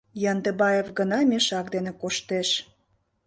Яндыбаев гына мешак дене коштеш.